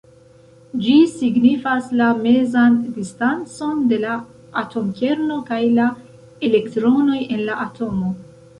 Ĝi signifas la mezan distancon de la atomkerno kaj la elektronoj en la atomo.